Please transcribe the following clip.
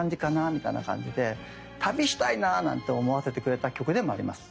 みたいな感じで旅したいななんて思わせてくれた曲でもあります。